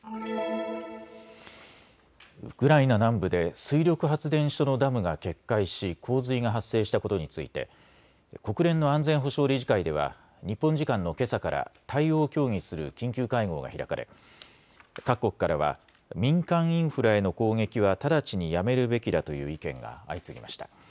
ウクライナ南部で水力発電所のダムが決壊し洪水が発生したことについて国連の安全保障理事会では日本時間のけさから対応を協議する緊急会合が開かれ各国からは民間インフラへの攻撃は直ちにやめるべきだという意見が相次ぎました。